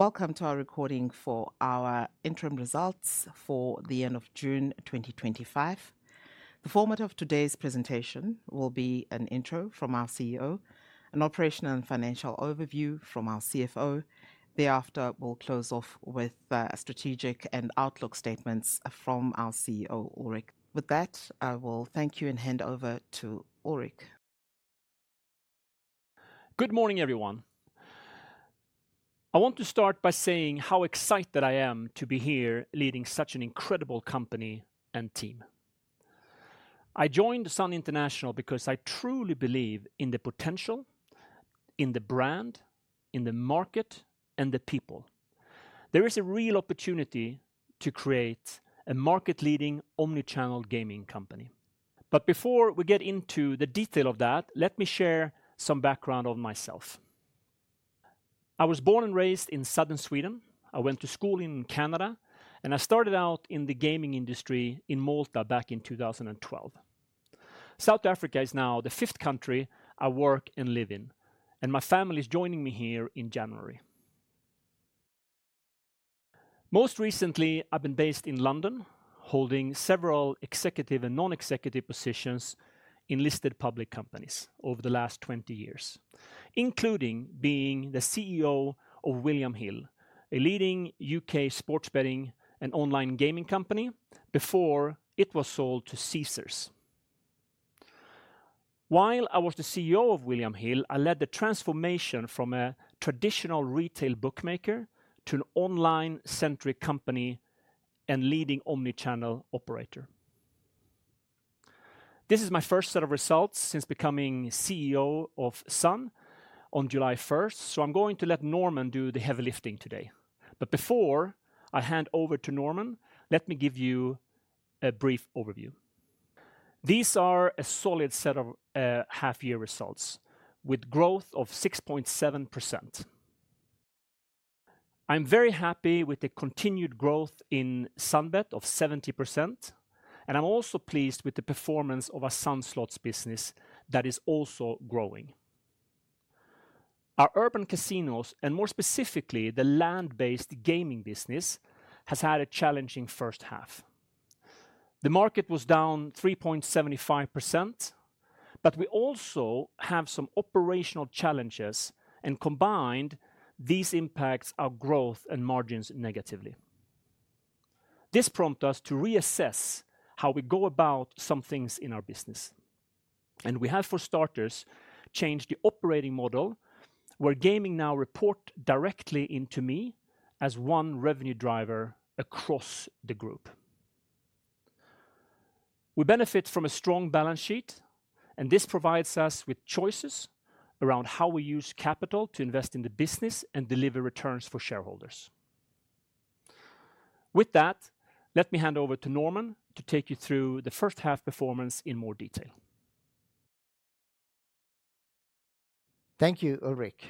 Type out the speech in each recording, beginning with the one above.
Welcome to our recording for our Interim Results for the End of June 2025. The format of today's presentation will be an intro from our CEO, an operational and financial overview from our CFO. Thereafter, we'll close off with strategic and outlook statements from our CEO, Ulrik. With that, I will thank you and hand over to Ulrik. Good morning, everyone. I want to start by saying how excited I am to be here leading such an incredible company and team. I joined Sun International because I truly believe in the potential, in the brand, in the market, and the people. There is a real opportunity to create a market-leading, omni-channel gaming company. But before we get into the detail of that, let me share some background on myself. I was born and raised in southern Sweden. I went to school in Canada, and I started out in the gaming industry in Malta back in 2012. South Africa is now the fifth country I work and live in, and my family is joining me here in January. Most recently, I've been based in London, holding several executive and non-executive positions in listed public companies over the last 20 years, including being the CEO of William Hill, a leading U.K. sports betting and online gaming company, before it was sold to Caesars. While I was the CEO of William Hill, I led the transformation from a traditional retail bookmaker to an online-centric company and leading omni-channel operator. This is my first set of results since becoming CEO of Sun on July 1st, so I'm going to let Norman do the heavy lifting today. But before I hand over to Norman, let me give you a brief overview. These are a solid set of half-year results, with growth of 6.7%. I'm very happy with the continued growth in SunBet of 70%, and I'm also pleased with the performance of our SunSlots business that is also growing. Our Urban Casinos, and more specifically, the land-based gaming business, has had a challenging first half. The market was down 3.75%, but we also have some operational challenges, and combined, these impacts our growth and margins negatively. This prompted us to reassess how we go about some things in our business, and we have, for starters, changed the operating model, where gaming now report directly into me as one revenue driver across the group. We benefit from a strong balance sheet, and this provides us with choices around how we use capital to invest in the business and deliver returns for shareholders. With that, let me hand over to Norman to take you through the first half performance in more detail. Thank you, Ulrik.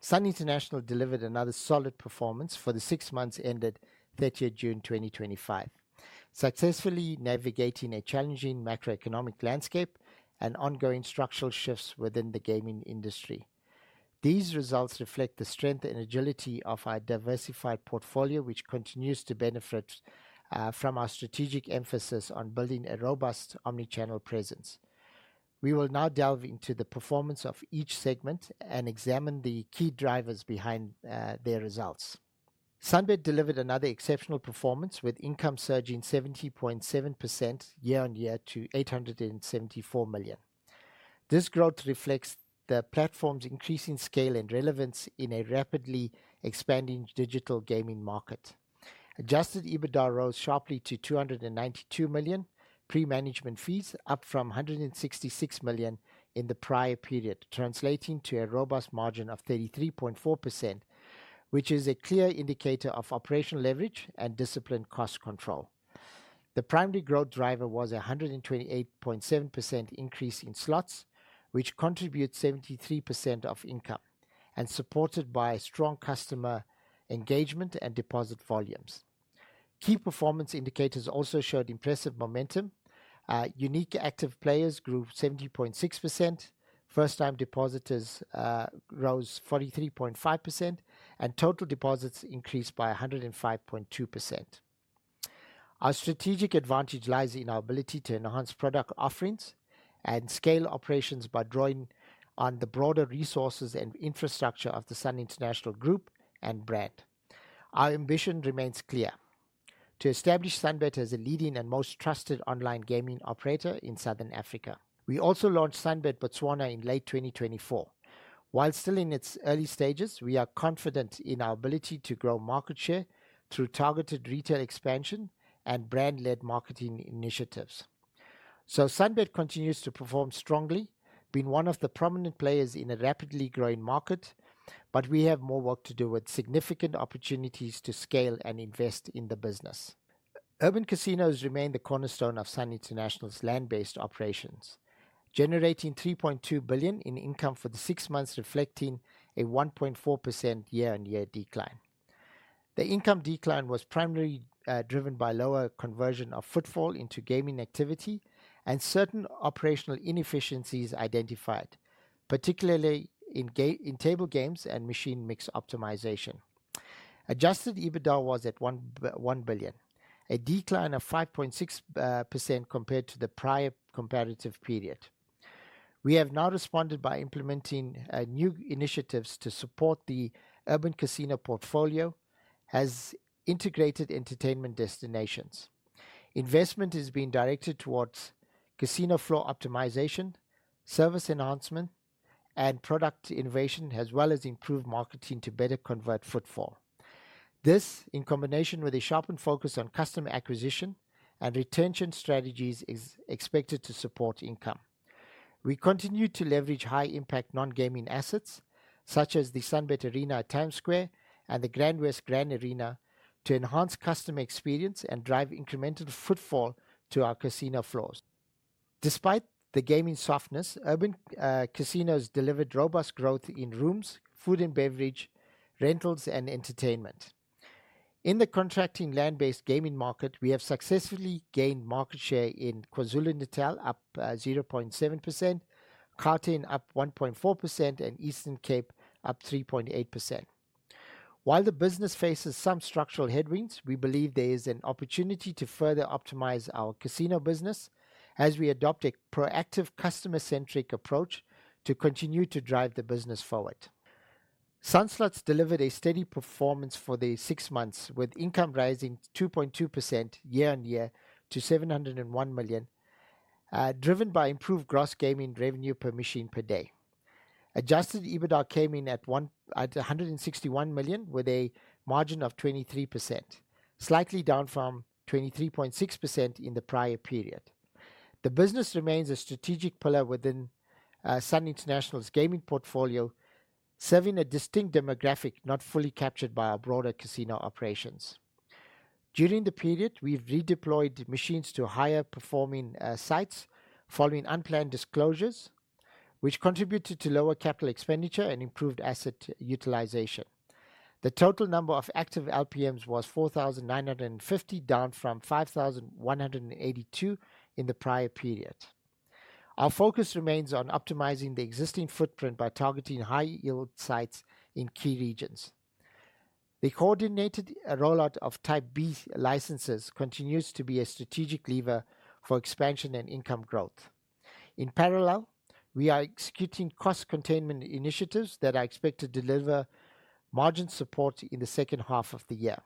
Sun International delivered another solid performance for the six months ended 30th June 2025, successfully navigating a challenging macroeconomic landscape and ongoing structural shifts within the gaming industry. These results reflect the strength and agility of our diversified portfolio, which continues to benefit from our strategic emphasis on building a robust Omni-channel presence. We will now delve into the performance of each segment and examine the key drivers behind their results. SunBet delivered another exceptional performance, with income surging 70.7% year-on-year to 874 million. This growth reflects the platform's increasing scale and relevance in a rapidly expanding digital gaming market. Adjusted EBITDA rose sharply to 292 million, pre-management fees up from 166 million in the prior period, translating to a robust margin of 33.4%, which is a clear indicator of operational leverage and disciplined cost control. The primary growth driver was a 128.7% increase in slots, which contributes 73% of income and supported by strong customer engagement and deposit volumes. Key performance indicators also showed impressive momentum. Unique active players grew 70.6%, first-time depositors rose 43.5%, and total deposits increased by 105.2%. Our strategic advantage lies in our ability to enhance product offerings and scale operations by drawing on the broader resources and infrastructure of the Sun International Group and brand. Our ambition remains clear: to establish SunBet as a leading and most trusted online gaming operator in Southern Africa. We also launched SunBet Botswana in late 2024. While still in its early stages, we are confident in our ability to grow market share through targeted retail expansion and brand-led marketing initiatives. So SunBet continues to perform strongly, being one of the prominent players in a rapidly growing market, but we have more work to do with significant opportunities to scale and invest in the business. Urban Casinos remain the cornerstone of Sun International's land-based operations, generating 3.2 billion in income for the six months, reflecting a 1.4% year-on-year decline. The income decline was primarily driven by lower conversion of footfall into gaming activity and certain operational inefficiencies identified, particularly in gaming table games and machine mix optimization. Adjusted EBITDA was at 1 billion, a decline of 5.6% compared to the prior comparative period. We have now responded by implementing new initiatives to support the urban casino portfolio as integrated entertainment destinations. Investment is being directed towards casino floor optimization, service enhancement, and product innovation, as well as improved marketing to better convert footfall. This, in combination with a sharpened focus on customer acquisition and retention strategies is expected to support income. We continue to leverage high-impact non-gaming assets, such as the SunBet Arena at Time Square and the GrandWest Grand Arena, to enhance customer experience and drive incremental footfall to our casino floors. Despite the gaming softness, urban casinos delivered robust growth in rooms, food and beverage, rentals, and entertainment. In the contracting land-based gaming market, we have successfully gained market share in KwaZulu-Natal, up 0.7%, Gauteng up 1.4%, and Eastern Cape up 3.8%. While the business faces some structural headwinds, we believe there is an opportunity to further optimize our casino business as we adopt a proactive, customer-centric approach to continue to drive the business forward. SunSlots delivered a steady performance for the six months, with income rising 2.2% year-on-year to 701 million, driven by improved gross gaming revenue per machine per day. Adjusted EBITDA came in at 161 million, with a margin of 23%, slightly down from 23.6% in the prior period. The business remains a strategic pillar within Sun International's gaming portfolio, serving a distinct demographic not fully captured by our broader casino operations. During the period, we've redeployed machines to higher-performing sites following unplanned disclosures, which contributed to lower capital expenditure and improved asset utilization. The total number of active LPMs was 4,950, down from 5,182 in the prior period. Our focus remains on optimizing the existing footprint by targeting high-yield sites in key regions. The coordinated rollout of Type B licenses continues to be a strategic lever for expansion and income growth. In parallel, we are executing cost containment initiatives that are expected to deliver margin support in the second half of the year.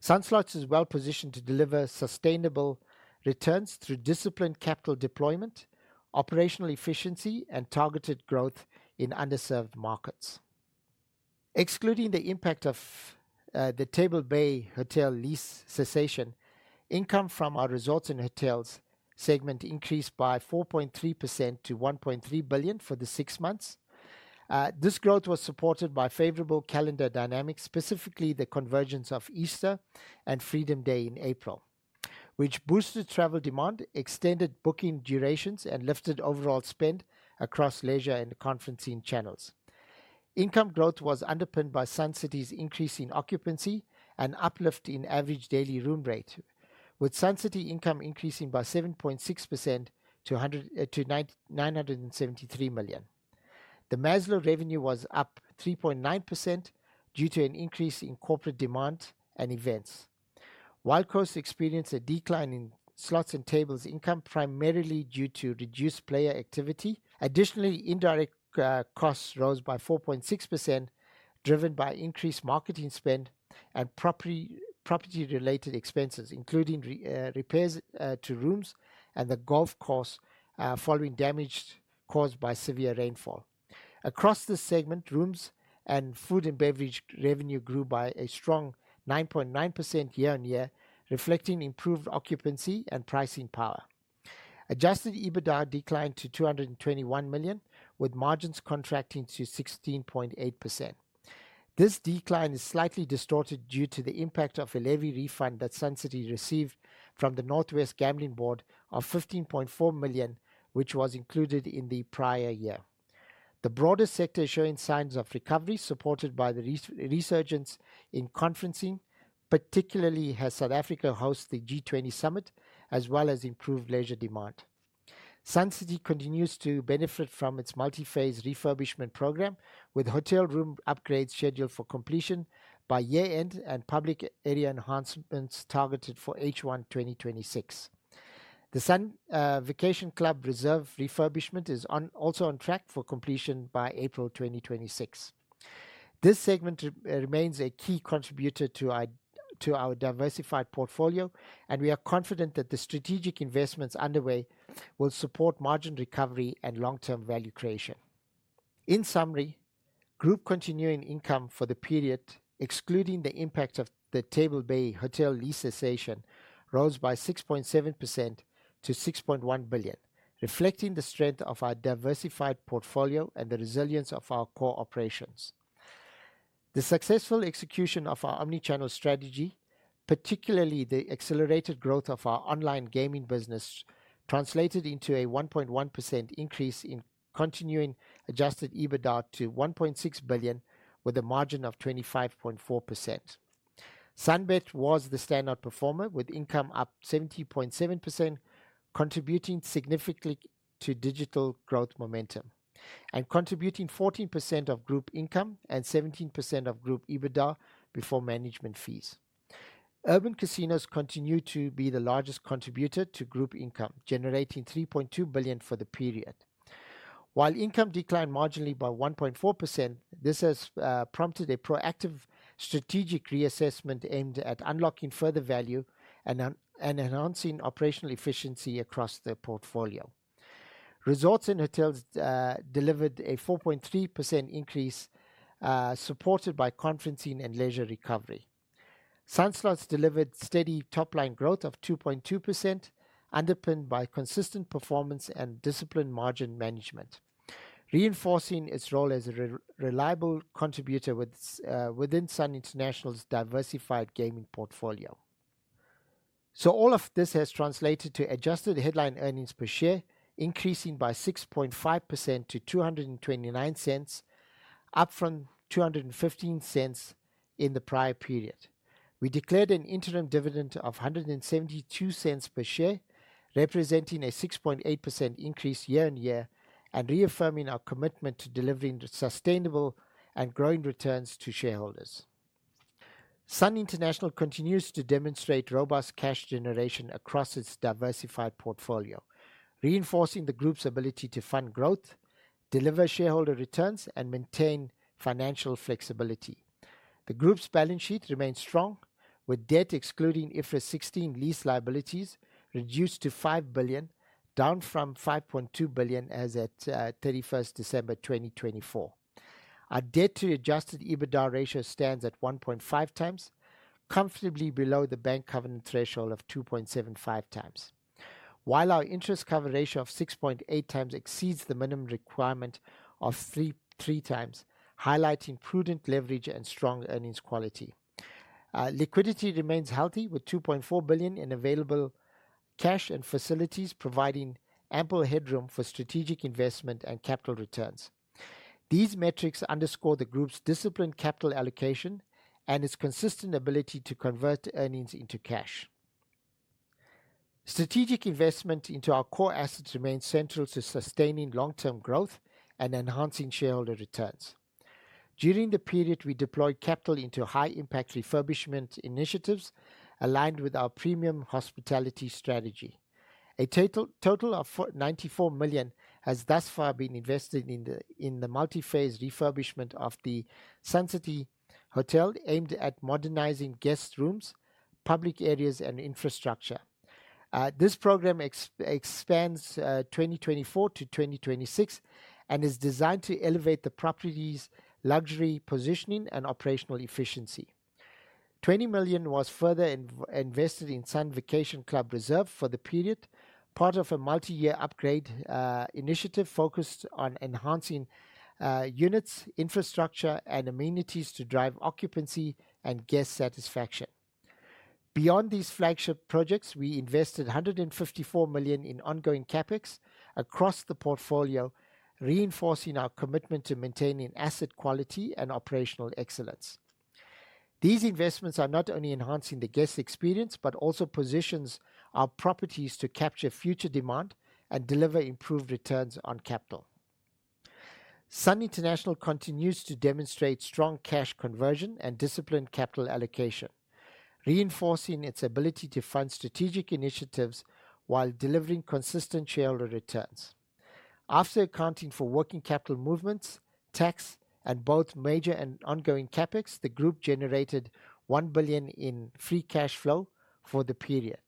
SunSlots is well-positioned to deliver sustainable returns through disciplined capital deployment, operational efficiency, and targeted growth in underserved markets. Excluding the impact of the Table Bay Hotel lease cessation, income from our resorts and hotels segment increased by 4.3% to 1.3 billion for the six months. This growth was supported by favorable calendar dynamics, specifically the convergence of Easter and Freedom Day in April, which boosted travel demand, extended booking durations, and lifted overall spend across leisure and conferencing channels. Income growth was underpinned by Sun City's increase in occupancy and uplift in average daily room rate, with Sun City income increasing by 7.6% to 973 million. The Maslow revenue was up 3.9% due to an increase in corporate demand and events, Wild Coast experienced a decline in slots and tables income, primarily due to reduced player activity. Additionally, indirect costs rose by 4.6%, driven by increased marketing spend and property-related expenses, including repairs to rooms and the golf course, following damage caused by severe rainfall. Across this segment, rooms and food and beverage revenue grew by a strong 9.9% year-on-year, reflecting improved occupancy and pricing power. Adjusted EBITDA declined to 221 million, with margins contracting to 16.8%. This decline is slightly distorted due to the impact of a levy refund that Sun City received from the North West Gambling Board of 15.4 million, which was included in the prior year. The broader sector is showing signs of recovery, supported by the resurgence in conferencing, particularly as South Africa hosts the G20 Summit, as well as improved leisure demand. Sun City continues to benefit from its multi-phase refurbishment program, with hotel room upgrades scheduled for completion by year-end and public area enhancements targeted for H1, 2026. The Sun Vacation Club Reserve refurbishment is also on track for completion by April 2026. This segment remains a key contributor to our diversified portfolio, and we are confident that the strategic investments underway will support margin recovery and long-term value creation. In summary, group continuing income for the period, excluding the impact of the Table Bay Hotel lease cessation, rose by 6.7% to 6.1 billion, reflecting the strength of our diversified portfolio and the resilience of our core operations. The successful execution of our omni-channel strategy. Particularly, the accelerated growth of our online gaming business translated into a 1.1% increase in continuing Adjusted EBITDA to 1.6 billion, with a margin of 25.4%. SunBet was the standout performer, with income up 70.7%, contributing significantly to digital growth momentum, and contributing 14% of group income and 17% of group Adjusted EBITDA before management fees. Urban Casinos continue to be the largest contributor to group income, generating 3.2 billion for the period. While income declined marginally by 1.4%, this has prompted a proactive strategic reassessment aimed at unlocking further value and enhancing operational efficiency across the portfolio. Results in hotels delivered a 4.3% increase, supported by conferencing and leisure recovery. SunSlots delivered steady top-line growth of 2.2%, underpinned by consistent performance and disciplined margin management, reinforcing its role as a reliable contributor within Sun International's diversified gaming portfolio. All of this has translated to adjusted headline earnings per share, increasing by 6.5% to 2.29, up from 2.15 in the prior period. We declared an interim dividend of 1.72 per share, representing a 6.8% increase year-on-year, and reaffirming our commitment to delivering sustainable and growing returns to shareholders. Sun International continues to demonstrate robust cash generation across its diversified portfolio, reinforcing the group's ability to fund growth, deliver shareholder returns, and maintain financial flexibility. The group's balance sheet remains strong, with debt excluding IFRS 16 lease liabilities, reduced to 5 billion, down from 5.2 billion as at 31st December 2024. Our debt to adjusted EBITDA ratio stands at 1.5 times, comfortably below the bank covenant threshold of 2.75 times. While our interest cover ratio of 6.8 times exceeds the minimum requirement of 3.3 times, highlighting prudent leverage and strong earnings quality. Liquidity remains healthy, with 2.4 billion in available cash and facilities, providing ample headroom for strategic investment and capital returns. These metrics underscore the group's disciplined capital allocation and its consistent ability to convert earnings into cash. Strategic investment into our core assets remains central to sustaining long-term growth and enhancing shareholder returns. During the period, we deployed capital into high-impact refurbishment initiatives aligned with our premium hospitality strategy. A total of 94 million has thus far been invested in the multi-phase refurbishment of the Sun City Hotel, aimed at modernizing guest rooms, public areas, and infrastructure. This program expands 2024 to 2026 and is designed to elevate the property's luxury positioning and operational efficiency. 20 million was further invested in Sun Vacation Club Reserve for the period, part of a multi-year upgrade initiative focused on enhancing units, infrastructure, and amenities to drive occupancy and guest satisfaction. Beyond these flagship projects, we invested 154 million in ongoing CapEx across the portfolio, reinforcing our commitment to maintaining asset quality and operational excellence. These investments are not only enhancing the guest experience, but also positions our properties to capture future demand and deliver improved returns on capital. Sun International continues to demonstrate strong cash conversion and disciplined capital allocation, reinforcing its ability to fund strategic initiatives while delivering consistent shareholder returns. After accounting for working capital movements, tax, and both major and ongoing CapEx, the group generated 1 billion in free cash flow for the period.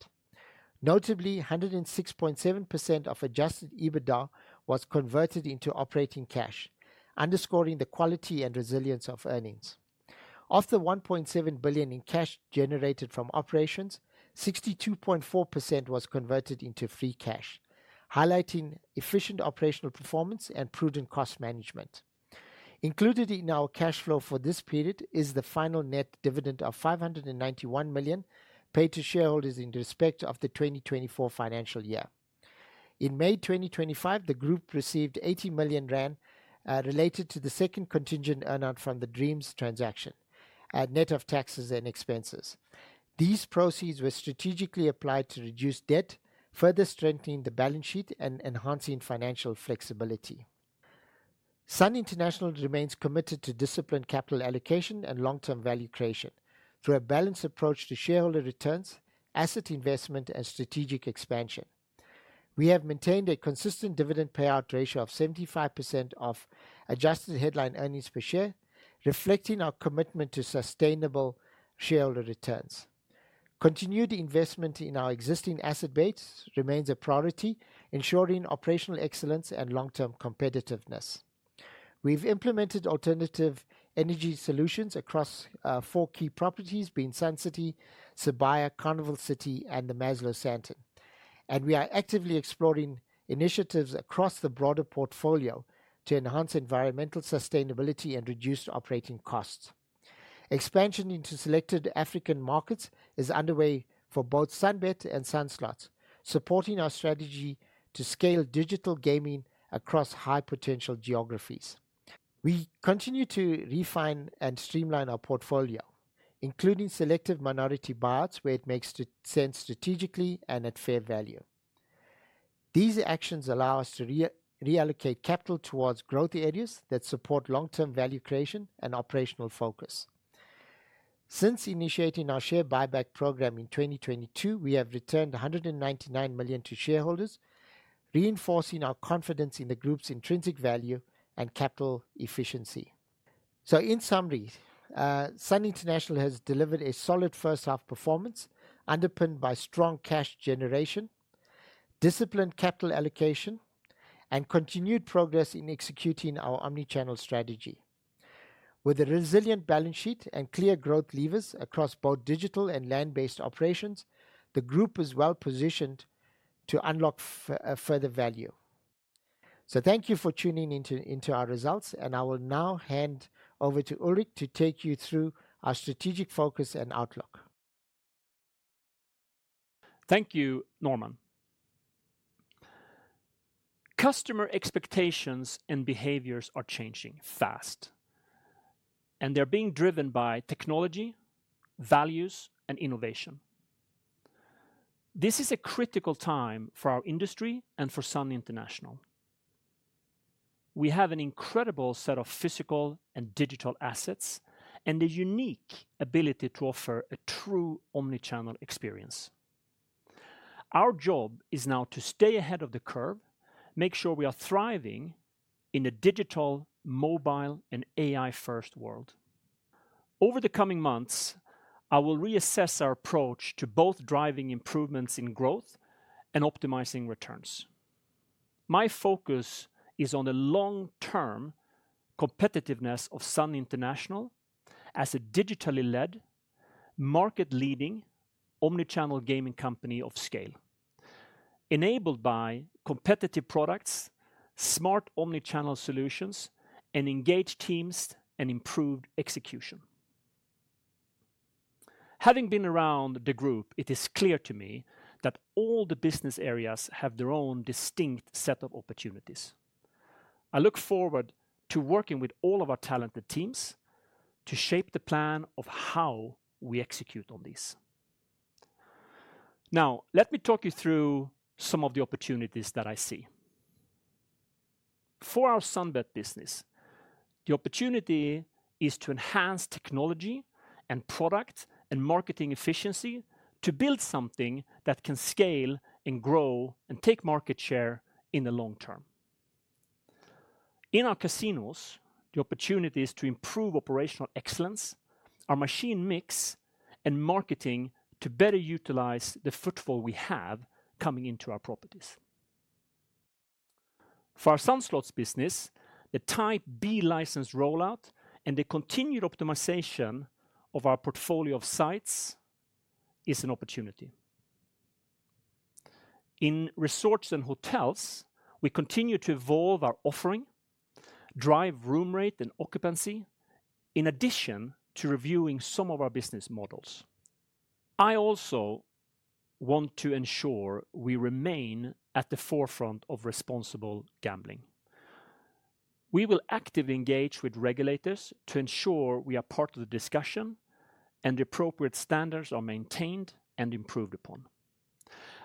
Notably, 106.7% of adjusted EBITDA was converted into operating cash, underscoring the quality and resilience of earnings. Of the 1.7 billion in cash generated from operations, 62.4% was converted into free cash, highlighting efficient operational performance and prudent cost management. Included in our cash flow for this period is the final net dividend of 591 million paid to shareholders in respect of the 2024 financial year. In May 2025, the group received 80 million rand related to the second contingent earn-out from the Dreams transaction at net of taxes and expenses. These proceeds were strategically applied to reduce debt, further strengthening the balance sheet and enhancing financial flexibility. Sun International remains committed to disciplined capital allocation and long-term value creation through a balanced approach to shareholder returns, asset investment, and strategic expansion. We have maintained a consistent dividend payout ratio of 75% of Adjusted headline earnings per share, reflecting our commitment to sustainable shareholder returns. Continued investment in our existing asset base remains a priority, ensuring operational excellence and long-term competitiveness. We've implemented alternative energy solutions across four key properties, being Sun City, Sibaya, Carnival City, and The Maslow Sandton. We are actively exploring initiatives across the broader portfolio to enhance environmental sustainability and reduce operating costs. Expansion into selected African markets is underway for both SunBet and SunSlots, supporting our strategy to scale digital gaming across high-potential geographies. We continue to refine and streamline our portfolio, including selective minority buyouts, where it makes sense strategically and at fair value. These actions allow us to reallocate capital towards growth areas that support long-term value creation and operational focus. Since initiating our share buyback program in 2022, we have returned 199 million to shareholders, reinforcing our confidence in the group's intrinsic value and capital efficiency. So in summary, Sun International has delivered a solid first half performance, underpinned by strong cash generation, disciplined capital allocation, and continued progress in executing our Omni-channel strategy. With a resilient balance sheet and clear growth levers across both digital and land-based operations, the group is well-positioned to unlock further value. Thank you for tuning into our results, and I will now hand over to Ulrik to take you through our strategic focus and outlook. Thank you, Norman. Customer expectations and behaviors are changing fast, and they're being driven by technology, values, and innovation. This is a critical time for our industry and for Sun International. We have an incredible set of physical and digital assets, and a unique ability to offer a true omni-channel experience. Our job is now to stay ahead of the curve, make sure we are thriving in a digital, mobile, and AI-first world. Over the coming months, I will reassess our approach to both driving improvements in growth and optimizing returns. My focus is on the long-term competitiveness of Sun International as a digitally led, market-leading, omni-channel gaming company of scale, enabled by competitive products, smart omni-channel solutions, and engaged teams, and improved execution. Having been around the group, it is clear to me that all the business areas have their own distinct set of opportunities. I look forward to working with all of our talented teams to shape the plan of how we execute on this. Now, let me talk you through some of the opportunities that I see. For our SunBet business, the opportunity is to enhance technology and product, and marketing efficiency, to build something that can scale and grow and take market share in the long term. In our casinos, the opportunity is to improve operational excellence, our machine mix, and marketing to better utilize the footfall we have coming into our properties. For our SunSlots business, the Type B license rollout and the continued optimization of our portfolio of sites is an opportunity. In resorts and hotels, we continue to evolve our offering, drive room rate and occupancy, in addition to reviewing some of our business models. I also want to ensure we remain at the forefront of responsible gambling. We will actively engage with regulators to ensure we are part of the discussion, and the appropriate standards are maintained and improved upon.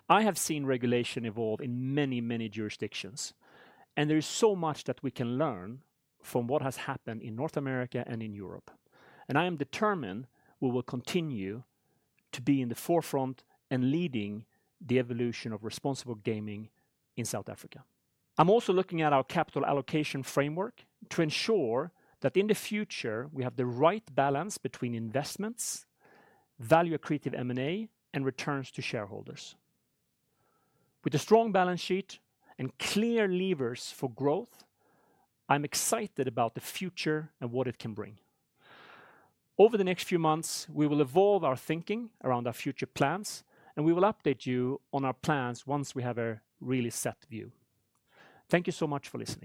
I have seen regulation evolve in many, many jurisdictions, and there is so much that we can learn from what has happened in North America and in Europe, and I am determined we will continue to be in the forefront and leading the evolution of responsible gaming in South Africa. I'm also looking at our capital allocation framework to ensure that in the future, we have the right balance between investments, value-accretive M&A, and returns to shareholders. With a strong balance sheet and clear levers for growth, I'm excited about the future and what it can bring. Over the next few months, we will evolve our thinking around our future plans, and we will update you on our plans once we have a really set view. Thank you so much for listening.